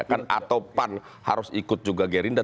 atau pan harus ikut juga gerindra